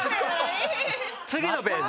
次のページ。